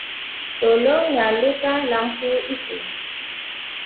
Tolong nyalakan lampu itu.